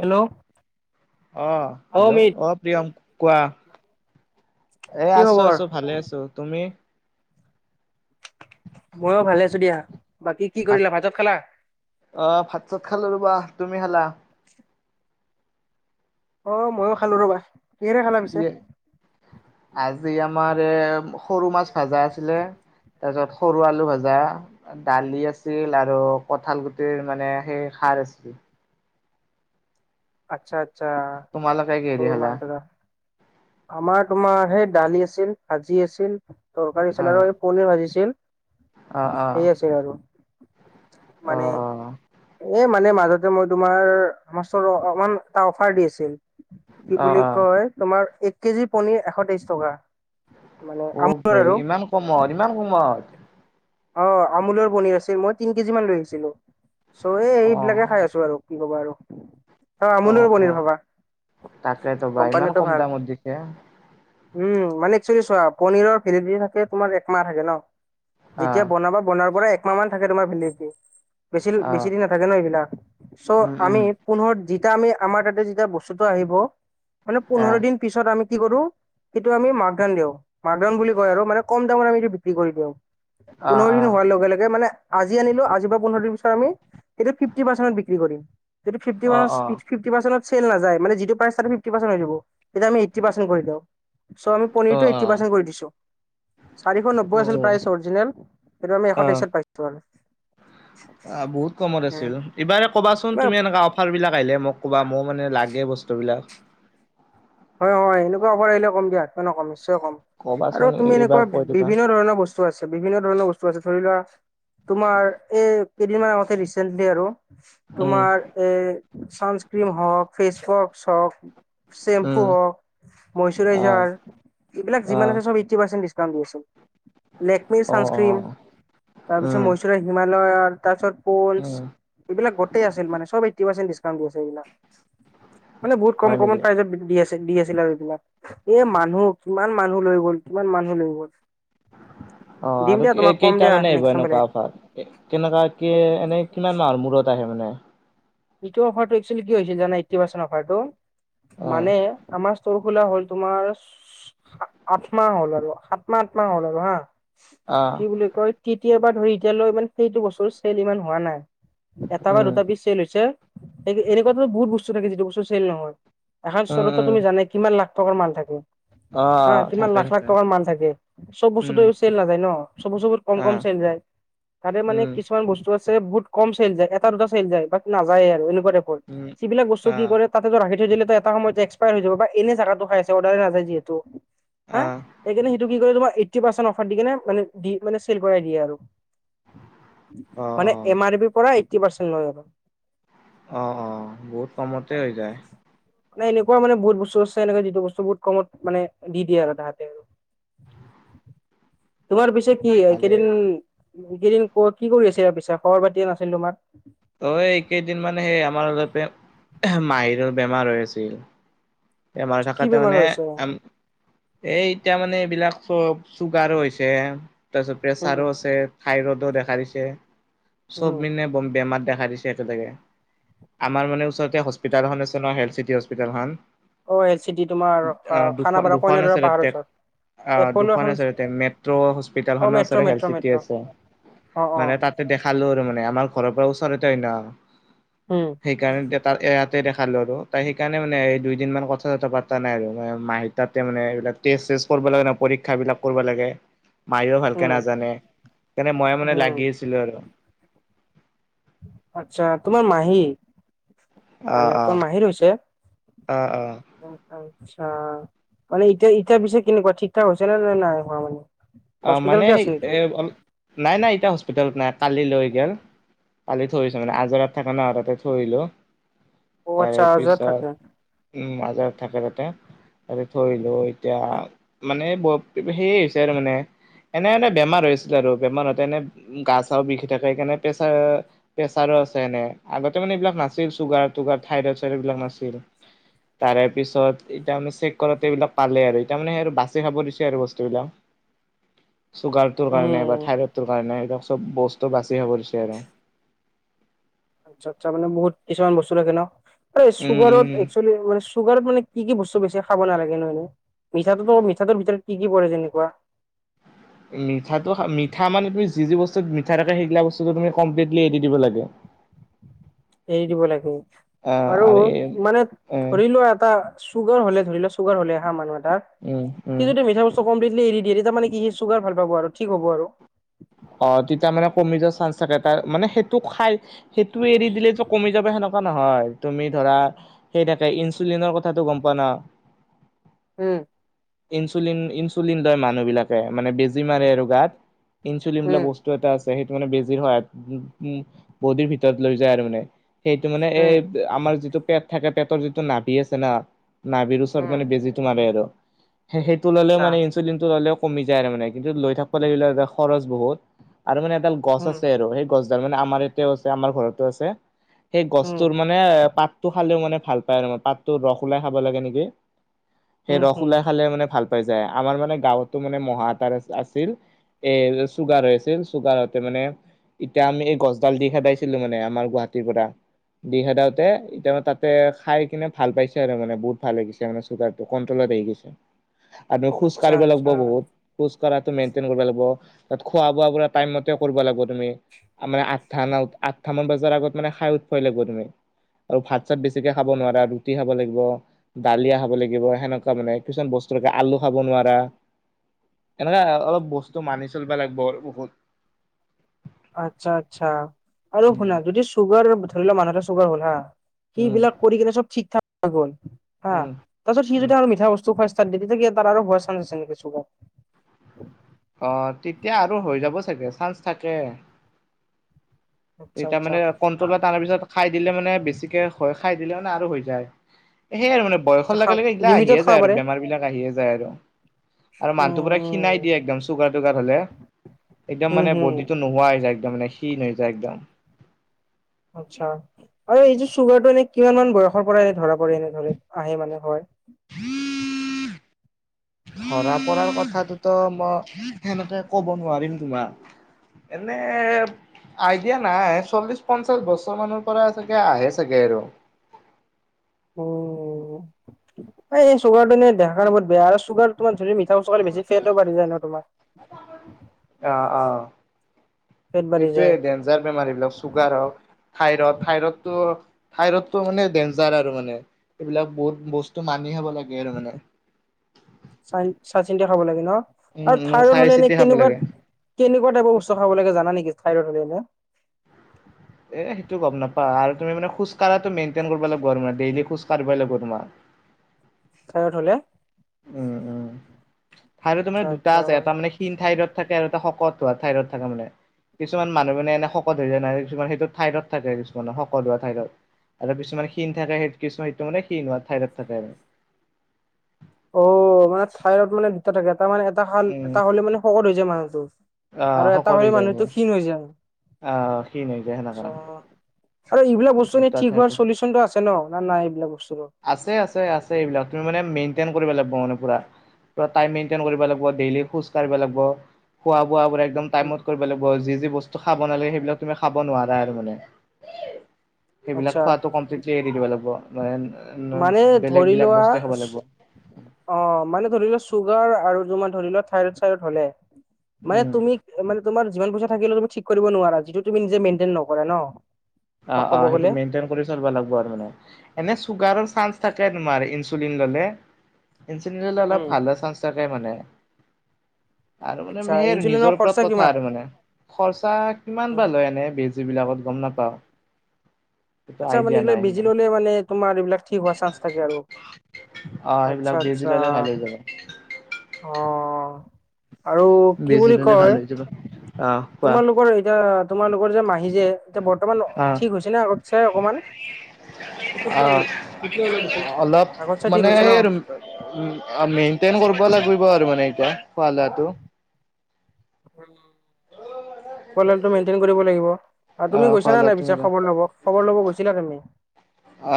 Hello. অ hello. অ প্ৰিয়ম কোৱা? এ কি আছো খবৰ আছো ভালে আছো। তুমি? মইও ভালে আছো দিয়া। বাকী কি কৰিলা ভাত চাত খালা? আহ ভাত চাত খালো ৰবা। তুমি খালা? অ' ময়ো খালো ৰ'বা। কিহেৰে খালা কি পিছে আজি আমাৰ এ সৰু মাছ ভজা আছিলে। তাৰপিছত সৰু আলু ভাজা দালি আছিল আৰু কঠাল গুটিৰ মানে সেই সাৰ আছিল। আচ্ছা আচ্ছা তোমালোকে কিহেদি খালা [unintelligible] আমাৰ তোমাৰ সেই দালি আছিল। ভাজি আছিল তৰকাৰী অ আছিল আৰু এই পনিৰ ভাজিছিল সেই আছে আৰু আহ মানে আহ এ মানে মাজতে মই তোমাৰ মাছৰ অকমান এটা অফাৰ দি আছিল। কি অ বুলি অ কয় তোমাৰ এক কেজি পনিৰ এশ তেইশ টকা মানে আমুলৰ অ'ভাই আৰু ইমান কমত ইমান কমত। অ' আমুলৰ পনিৰ আছিল। মই তিন কেজি মান লৈ আহিছিলো। চ' এই অ এইবিলাকে খাই আছো আৰু কি ক'বা আৰু অ' আমোল পনীৰ ভাবা তাকেতো বা ইমান কোম্পানীটো কম ভাল দামত দিছে উম মানে চোৱা পনীৰ ভেলিদেতী থাকে। তোমাৰ একমাহ থাকে ন অ যেতিয়া বনাবা বনাৰ পৰাই একমাহ মান থাকে। তোমাৰ ভেলিদিতি অ বেছি দিন নাথাকে ন এইবিলাক চ' আমি পোন্ধ যেতিয়া আমি আমাৰ তাতে যেতিয়া বস্তুটো আহিব মানে পোন্ধৰ আহ দিন পিছত। আমি কি কৰো সেইটো আমি মাক ধন দিওঁ মাক ধন বুলি কয় আৰু মানে কম দামত আমিটো বিক্ৰী কৰি দিওঁ। আহ পোন্ধৰ দিন হোৱাৰ লগে লগে মানে আজি আনিলো। আজি পৰা পোন্ধৰ দিন পিছত আমি এটো ফিফটি পাৰ্চেনট বিক্ৰী কৰিম। যদি ফিফটি আহ অ প অ ফফ পাৰ্চেনত চেল নাযায় মানে যিটো পাইছা তুমি ফিফটি পাৰ্চেন্ত হয় যাব। আমি এইটি পাৰ্ছেন্ত কৰি দিও। আমি অ পনিৰটো অ এইটি পাৰ্চেনট কৰি দিছো। চাৰিশ নব্বৈ উ আছিল প্ৰায় অ হেইটো আমি এশ তেইশত পাইছো মানে। অ' বহুত কমত আছিল। এইবাৰে কবাচোন কিবা তুমি এনে অফাৰ বিলাক আহিলে। মোক কবা মই মানে ল লাগে বস্তুবিলাক। বাৰ আহিল কম দিয়া। হাত মানে কম নিশ্চয় কম আৰু কবাচোন এ তুমি এইবাৰ এনেকুৱা কৈ দিবা বিভিন্ন ধৰণৰ বস্তু আছিল। বিভিন্ন ধৰণৰ বস্তু আছে ধৰি লোৱা। তোমাৰ এই কেইদিনমান আগতে ৰিচেন্টলি আৰু উম তোমাৰ এ চানস্ক্ৰিন হওঁ‌ক ফেচৱাছ হওঁ‌ক। উম হোৱক আহ মষ্টোৰাইজাৰ, এইবিলাক যিমান আহ আছে চব এইটি পাৰ্চেণ্ট ডিছকাউণ্ট দি আছে। লেকমিৰ অ অ ছানস্ক্ৰীম তাৰপিছত উম মষ্টোৰাইজৰ হিমালয়ৰ তাৰপিছত। উম এইবিলাক গোটই আছিল মানে চব এইটি পাৰ্চেণ্ট ডিছকাউণ্ট দিছে এইবিলাক। মানে বহুত কম হয় নেকি কমত প্ৰাইজত দি আছে। দি আছিল আৰু এইবিলাক এ মানুহ কিমান মানুহ লৈ গ'ল। কিমান মানুহ লৈ গ'ল? [unintelligible] অ' দিম আৰু দিয়া এই তোমাক কম কেইটা দিয়া মানে আহিব। নেক্স টাইম পালে এনেকুৱা অফাৰ কেনেককা কি এনে কিমান মাহৰ মূৰত। আহে মানে এইটো অফাৰটো একচুৱেলী কিয় হৈছে জানা। এইটি পাৰ্চেন্ত অফাৰটো অ মানে আমাৰ সৰ খোলা হ'ল। তোমাৰ আঠ মাহ হ'ল আৰু সাত মাহ আঠ মাহ হ'ল আৰু হা অ কি বুলি কয় কেতিয়াবা ধৰি এতিয়ালৈ ই সেইটো বছৰ চেল ইমান হোৱা নাই। এটা বা উম দুটা বিধ চেল হৈছে এনেকুৱা থাটো বহুত বস্তু থাকে যিটো বস্তু চেল নহয়। এখন উম চৰত উম তুমি জানাই তুমি কিমান লাখ টকাৰ মাল থাকে। অ' হা অ কিমান থাকে লাখ লাখ থাকে টকাৰ মাল থাকে চব বস্তুটো উম চেল নাযায় ন চব বস্তু বোৰ কম অ কম চেল যায়। তাৰে মানে উম কিছুমান বস্তু আছে বহুত কম চেইল যায়। এটা দুটা চেইল যায় বা নাযায়েই আৰু এনেকোৱা উম যিবিলাক বস্তু কি অ কৰে তাতে ৰাখি থৈ দিলে। এটা সময়ত এক্সপায়াৰ হৈ যাব বা এনে জাগাটো খাইছে অৰ্ডাৰে নাযায় যিহেতু- হা আহ সেইকাৰণে সেইটো কি তোমাৰ এইটি পাৰচেণ্ট অফাৰ দি কেনে মানে চেল কৰাই দিয়ে আৰু- অ অ মানে এম আৰ বি পৰা এইটটি পাৰ্চেন্ট লৈ যাব - অ-অ বহুত কমতে হৈ যায় - মানে এনেকুৱা মানে বহুত বস্তু আছে এনেে যিটো বস্তু বহুত কমত মানে দি দিয়ে আৰু তাহাঁতে - তোমাৰ পিছে কি ভালে কেইদিন-কেইদিন ক কি কৰি আছে ইয়াৰ পিছে খবৰ পাতি নাছিল তোমাৰ - অই এই এইকেইদিন মানে সেই আমাৰ অলপ মাহীৰ বেমাৰ হৈ আছিল - বেমাৰ কি থকাতোৰ বেমাৰ মানে হৈ আছে? আম - এই এতিয়া মানে এইবিলাক চ চুগাৰো হৈছে তাৰপিছত উম প্ৰেচাৰো আছে - থাই ৰ'ডো দেখা দিছে উম। চব মিনে বেমাৰ - দেখা দিছে একেলগে আমাৰ মানে ওচৰতে হস্পিটেলখন আছে ন হেল চিটি হস্পিটেলখন [unintelligible] অ' এল চিটি তোমাৰ খানাপাৰা দুখন কইন দৰা আছে পাহাৰ তাতে ওচৰত [unintelligible] আহ এপ'ল' দুখন এখন আ মেট্ৰ' অ হস্পিটেলখনো আ metro health metro city metro আছে অ - অ মানে তাতে দেখালো আৰু মানে - আমাৰ ঘৰৰ পৰা ওচৰতে ন উম সেইকাৰণে ইয়াতে দেখা - ভাল আৰু তাই সেইকাৰণে মানে এই দুইদিনমান - কথা-চথা পাতা নাই আৰু ম মাহ তাতে মানে এইবিলাক ট্ৰেষ্ট-চেষ্ট কৰিব লাগে ন পৰীক্ষা বিলাক কৰিব লাগে - মায়ও ভালকে উম নাজানে সেইকাৰণে মই মানে উম লাগি আছিলোঁ আৰু - আচ্ছা তোমাৰ মাহী? অ মানে অ মাহিৰ হৈছে অ অ আছা - মানে এতিয়া-এতিয়া পিছে কেনেকুৱা ঠিক-ঠাক হৈছে নে নাই নাইহোৱা মানে - অ মানে সেই এ নাই-নাই এতিয়া হস্পিটেলত নাই কালি লৈ গ'ল - কালি থৈছোঁ মানে আজৰাত থকা ন তাতে থৈ আহিলোঁ অ - আচ্ছা তাৰে অহা যোৱাত পিছত থাকে উম - থাকে তাতে-তাতে থৈ আহিলোঁ এতিয়া মানে ব সেয়া হৈছে আৰু মানে - এনে-এনে বেমাৰ হৈছিলে আৰু বেমাৰ হতে এনে গা চা বিষ থাকে সেইকাৰণে প্ৰেছাৰে - প্ৰেচাৰো আছে এনে আগতে মানে এইবিলাক নাছিল চুগাৰ-টুগাৰ থাইইড চাইইড বিলাক নাছিল - তাৰে পিছত এ মানে চেক কৰাতে এইবিলাক পালে আৰু এ মানে সেই বাচি খাব দিছে আৰু বস্তুবিলাক - চুগাৰটোৰ কাৰণে বা উম থাইৰইডটোৰ কাৰণে এইবিলাক চব বস্তু বাচি হ'ব দিছে আৰু - আচ্ছা আচ্ছা মানে বহুত কিছুমান বস্তু ৰাখে ন এই উম উম চুগাৰত এস্কোৱলি- চুগাৰত মানে কি কি বস্তু বেছি খাব নালাগে নহয়নো - মিঠাটোতো মিঠাটোৰ ভিতৰত কি কি পৰে যেনেকুৱা - মিঠাটো মিঠা মানে তুমি যি যি বস্তু মিঠা থাকে সেইগিলা বস্তুটো তুমি কমপ্লিটলি এৰি দিব লাগে - এৰি দিব লাগে - আৰু মানে এ ধৰি লোৱা এটা চুগাৰ হলে ধৰি লোৱা - চুগাৰ হলে হা মানুহ এটাৰ উম উম সি যদি মিঠা বস্তু কমপ্লিট লি এৰি দিয়ে তেতিয়া মানে - কি সি চুগাৰ ভাল পাব আৰু ঠিক হ'ব আৰু - অ তেতিয়া মানে কমি যোৱা চান্স থাকে তাৰ মানে সেইটো খাই - সেইটোও এৰি দিলেটো কমি যাব সেনক - নহয় তুমি ধৰা সেই থাকে ইনচুলিনৰ কথাটো গম পোৱা ন- উম - ইনচুলিন ইনচুলিন লয় মানুহবিলাকে মানে বেজি মাৰে আৰু গাত - ইনচুলিন বোলা উম বস্তু এটা আছে সেইটো মানে বেজি হয় উ বডিৰ ভিতৰত লৈ যায় আৰু মানে - সেইটো মানে এই উম আমাৰ যিটো পেট থাকে পেটৰ যিটো নাভি আছে না - নাভিৰ ওচৰত মানে উম বেজি টো মাৰে আৰু‌ - সেইটো ল'লেও আচ্ছা মানে ইনচুলিনটো ল'লেও কমি যায় আৰু মানে কিন্তু লৈ থাকিব লাগিলে খৰচ বহুত - আৰু মানে এডাল গছ উম আছে আৰু সেই গছডাল মানে আমাৰ ইয়াতেও আছে আমাৰ ঘৰতো আছে - সেই উম গছটোৰ মানে পাতটো খালেও মানে ভাল পায় আৰু মে পাতটো ৰস ওলাই খাব লাগে নেকি - সেই উম ৰস হম ওলাই খালে মানে ভাল পাই যায় আমাৰ মানে গাঁৱতো মানে মহা এটাৰ আছিল - এ চুগাৰ হৈ আছিল চুগাৰ হ‌ওতে মানে - এতিয়া আমি এই গছডাল দি খদাইছিলো মানে আমাৰ গুৱাহাটীৰ পৰা। দি খদাওঁতে এতিয়া তাতে খাই কিনে ভাল পাইছে আৰু মানে বহুত ভাল লাগিছে মে চুগাৰটো কণ্ট্ৰল। তই ঠিকেই কৈছ। খোজ আচ্ছা কঢ়িব লাগিব আচ্ছা বহুত খোজ কঢ়াটো মেইনটেইন কৰিব লাগিব। তাত খোৱা বোৱা পুৰা টাইম মতে কৰিব লাগিব তুমি। আমাৰা আঠ ন আঠ মান ব। তাৰ আগত মানে খাই উঠবই লাগিব তুমি। আৰু ভাত চাত বেছিকে খাব নোৱাৰা, ৰুটি খাব লাগিব, দালিয়া খাব লাগিব সেনেকুৱা মানে কিছুমান বস্তু। আলু খাব নোৱাৰা এনেকুৱা অলপ বস্তু। টো মানি চলিব লাগিব বহুত। আচ্ছা আচ্ছা আৰু উম শুনা যদি চুগাৰ ধৰি লোৱা মানুহৰ চুগাৰ হ'ল হা। সি উম বিলাক কৰি কিনে চব ঠিক ঠাক গ'ল হা উম তাৰ পিছত সি উম যদি আৰু মিঠা বস্তু খুৱাই। দতে গ তাৰ আৰু ভয় চা চে কিছু - চাঞ্চ থাকে। আচ্ছা এতিয়া আচ্ছা মানে কন্ট্ৰলত অহাৰ পিছত- খাই দিলে মানে বেছিকে হয়। খাই দিলে মানে আৰু হৈ যায় সেয়া আৰু মানে। আচ্ছা বয়সৰ লগে খাওক লগে এইগিলাক লিমিটত আহিয়ে খাব যায় আৰু পাৰে বেমাৰ বিলাক আহিয়ে যায় আৰু। আৰু মানুহটো উম পুৰা খীণাই উম দিয়ে একদম চুগাৰুগাৰ হলে। একদম হম মানে হম বডিটো নোহোৱা হৈ যায় একম। একদম মানে শীল হৈ যায় একদম। আচ্ছা আৰু এইয চুগাৰটো এনে কিমান মান বয়সৰ পৰা এনে ধৰা প এনে ধৰে আহে মানে হয়। ধৰা পৰাৰ। কথাটোতো মই সেনেতে ক'ব নোৱাৰিম তোমাক। এনে আইডিয়া নাই চল্লিশ পঞ্চাশ বছৰ মানৰ পৰা চাগে আহে চাগে আৰু। উ এই চুগাৰটো এনে দেখা কাৰ বহুত বেয়া আৰু চুগাৰ। তোম ধৰি মিঠা চোকে বেছি ফেটটোও ফেট যায় ন তোমাৰ। অ অ পেট বাঢ়ি সেইটোৱে যায় ডেঞজাৰ বেমাৰী বিলাক চুগাৰ হওক। থাইৰড থাইৰড টো থাইৰড তটো মানে ডেঞ্জাৰ আৰু মানে এইবিলাক বহুত বস্তু মানি। বলা গ মানে। চাই চিন্টি খাব লাগে ন। উম আৰু উম থাৰ্ডত চাই হলে এনে চিতি খাব কেনেকুৱা লাগে কেনেকুৱা টাইপৰ বস্তু খাব লাগে জানা নেকি? থাৰ্ডত হলে। এ সেইটো গম নাপা আৰু তুমি মে খোজ কঢ়াটো মেইনটেইন কৰিব লাগিব। ত ডেইলি খোজ কাঢ়িবই লাগিব তোমাৰ। থাৰ্ডয়দ হলে। উম উম থাৰ্ডৰদ মানে আচ্ছা দুটা আচ্ছা আছে এটা মানে খীন থাৰড থাকে আৰু এটা শকত। থাইৰইড থাকা মানে। কিছুমান মানুহ মানে এনে শকত হৈ যায় নাই। কিছুমান সেইটো ঠাইডত থাকে কিছুমানৰ শকত হোৱা ঠাইডত আৰু কিছুমান খীণ থাকে স কিছুমান সটো মানে শিন থঠাইডত থাকে। [unintelligible] অ মানেথাইৰদ মানে দুটা থাকে। মানে এটা উম। হ'লে মানে শকত হৈ যায় মানুহটো। আহ আৰু এটা শকত হৈ হলে যাব মানুহটো ক্ষীণ হৈ যায় আৰু। আহ খি ন হৈযায় সেনে কৰা। আৰু এইবিলাক বস্তু এনে ঠিক হোৱাৰ চলিউচনটো আছে নাই এইবিলাক বস্তু। আছে আছে আছে। এইবিলাক তুমি মানে মেইনটেইন কৰিব লাগিব পুৰা। টাইম মেইনটেইন কৰিব লাগিব। দেইলি খোজ কাঢ়িব লাগিব। ব একমটাইমত কৰিব লাগিব। যি বস্তু খাব নালাগে সেইবিলাক তুমি খাব নোৱাৰা আৰু মানে। সেইবিলাক আচ্ছা খোৱা এৰি দিব লাগিব। মানে বেলেগ ধৰি বিলাক লোৱা বস্তুৱে খাব লাগিব। অ মানে ধৰি লোৱা চুগাৰ আৰু। আৰু মানে ধৰি লোৱা থাইৰদ চাইৰদ হ'লে মানে উম তুমি মানে তোমাৰ। যিমান পইচা থাকিলো তুমি ঠিক কৰিব নোৱাৰা। যিটো তুমি নিজে মেইনটেই নক ন। অ অ ক'ব সেইটো গ'লে মেইনটেইন কৰি চলবা লাগব আৰু মানে এনে। চুগাৰৰ চান্স থাকে তোমাৰ ইনচুলিন ললে। ইনচুলিন ললে উম ভাল হোৱাৰ চাঞ্চ থাকে মানে। আৰু মানে আচ্ছা সে ইনচুলিনৰ নিজৰ ওপৰত খৰচা কথা কিমান আৰু মানে খৰচা কিমান উম বা লয় এনে বেজী বিলাকত। গম নাপাওঁ। সেইটো আচ্ছা মানে আইডিয়া এইবিলাক নাই বিজি ইমান ললে মানে তোমাৰ এইবিলাক ঠিক হোৱা চানস থাকে আৰু অ সেইবিলাক আচ্ছা বেজি আচ্ছা। ললে ভাল হৈ যাব অ আৰু কি বেজি বুলি ললে কয় ভাল হৈ যাব আহ কোৱা তোমালোকৰ এতিয়া তোমালোক যে মাহি যে এতিয়া বৰ্তমান ঠিক হৈছে ন আগত। চাই অকমান অ অলপ আগত চাই ঠিক মানে হৈছে উ আমি। তেন কৰা লাগব মানে এতিয়া ফাল তো। মেইনটেইন কৰিব লাগিব। অ তুমি খোৱা গৈছা নে নাই লোৱাটো পিছাৰ মেডাম খবৰ ল'ব খবৰ ল'ব গৈছিলা তুমি।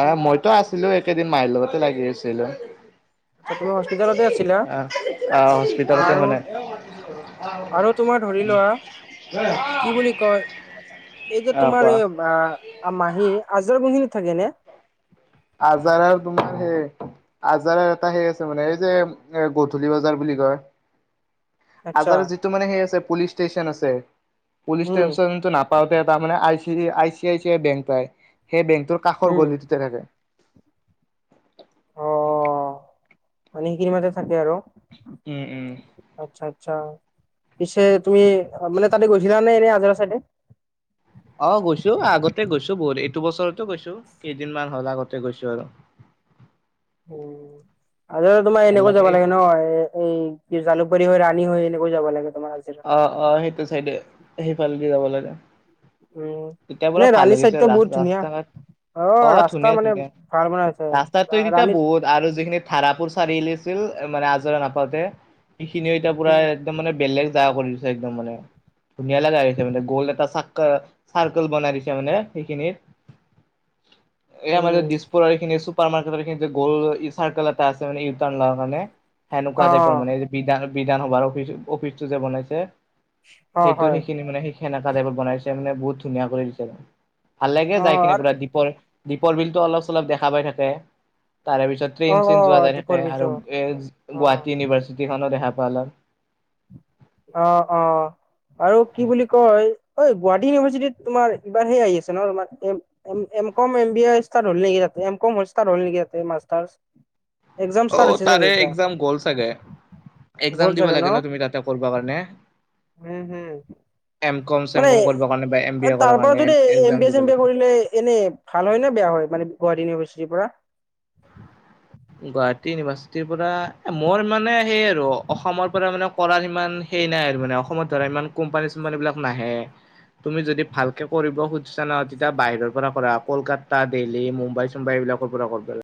অ মইতো আছিলো একেদিন মাহি লগতে লাগি আছিলো। আচ্ছা তুমি হস্পিতালতে আছিলা? আহ আহ আ- হস্পিিতালতে আৰু মানে আৰু তোমাৰ ধৰি উম লোৱা কি বুলি কয় এই যে আহ তোমাৰ কোৱা এইটো আ মাহী। আজাৰ গোহিনীত থাকে নে? আজাৰ আৰু তোমাৰ হে আজাৰৰ এটা সেই আছে মানে এই যে এ গধূলি বজাৰ বুলি কয়। আচ্ছা আজাৰৰ যিটো মানে সেই আছে পুলিচ ষ্টেচন আছে। পুলিচ উম ষ্টেনচনতটো নাপাওঁতে তাৰমানে I C I C I bank পায়। সেই বেংকটোৰ কাষৰ উম গলিটোতে থাকে। অ মানে সেইখিনি মাজতে থাকে আৰু উম উম আচ্ছা আচ্ছা।। পিছে তুমি মানে তাতে গৈছিলা নে এনেই আজৰা চাইডে। অ গৈছো আগতে গৈছো বহুত এইটো বছৰতো গৈছো কেইদিনমান হল আগতে গৈছো আৰু। [inaudible] উ আজাৰাৰ তোমাৰ ভাল এনেকৈ যাব লাগে ন এইফালে এই কি জালুকবাৰী হৈ ৰাণী হৈ। নে যাব লাগে। তোমাৰ আজাৰা। আহ অ সেইটো চাইডে সেইফালে দি যাব লাগে। উম তিয়া এনে পৰা ভাল ৰাণী হৈছে চাইডটো বহুত ধুনীয়া। ৰাস্তা অ ৰাস্তা ধুনীয়া মানে ধুনীয়া ভাল বনাইছে ৰাস্তাতটো তেতিয়া ৰাণীত বহুত আৰু যিখিনি ধাৰাপুৰ চাৰিআলি আছিল‌ মানে আজৰে নাপাওঁতে সেইখিনিও এতিয়া পুৰা উম একদম মানে বেলেগ মজা কৰি দিছে একদম মানে ধুনীয়া লগাই হৈছে মানে গ'ল্ড এটা চাক চাৰ্কেল বনাই দিছে মানে সেইখিনিত [inaudible] এই আৰ দিছপুৰৰ এইুপাৰ্ট এই গল চাৰকল এটা আছে মে ইউটল মানে। অ সেনেকুৱা টাইপৰ মানে বিধান বিধানসভাৰ অফিচ অফিচটো যে বনাইছে। অ সেইটো হয় সেইখিনি মানে সেই সেনেকা টাইপত বনাইছে মানে বহুত ধুনীয়া কৰি দিছে। ভাল লাগে অ যাই কিনে আৰু পুৰা দীপৰ দীপৰ বিলটো অলপ চলপ দেখা পাই থাকে। তাৰে পিছত অ ট্ৰেইন চেইন যোৱা যাই থাকে দীপৰ বিলটো আৰু এ অ গুৱাহাটী ইউনিভাৰ্চিটি। খনো দেখা পাই অলপ অ অ আৰু কি বুলি কয় গুৱাহাটী ইউনিভাৰ্চিটিত তোমাৰ এইবাৰ সেই আহি আছে এনতম M com M B start হল নেকি এমকম ষ্টাৰ্ট হল নেকি? [inaudible] এক্জাম অ ষ্টাৰ্ট হৈছে চাগে তাৰে এতিয়া এক্জাম গ'ল চাগে এক্জাম হ'ল দিব চাগে লাগে ন। তুমি তাতে কৰিব কাৰণে উম হম এম কম চেম মানে কম কৰিবৰ কাৰণে। বা এম বি এ তাৰ কৰাৰ পৰা কাৰণে যদি এম এক্জাম বি এ দিব চেম বি এ লাগে। কৰিলে এনে ভাল হয় নে বেয়া হয় মানে গুৱাহাটী ইউনিভাৰ্চিটিৰ পৰা। গুৱাহাটী ইউনিভাৰ্চিটিৰ পৰা মোৰ মানে সেই আৰু অসমৰ পৰা মানে কৰাৰ ইমান সেই নাই আৰু মানে অসমত ধৰা ইমান কোম্পানী চোম্পানী বিলাক নাহে। তুমি যদি ভালকে কৰিব খুজিছা না তেতিয়া বাহিৰৰ পৰা কৰা কলকাতা দিল্লী মুম্বাই চুম্বাই বিলাকৰ পৰা ক'ৰা